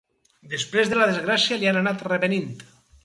Després de la desgràcia li han anat revenint.